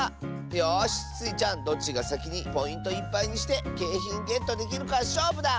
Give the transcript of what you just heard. よしスイちゃんどっちがさきにポイントいっぱいにしてけいひんゲットできるかしょうぶだ！